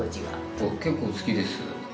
僕結構好きです。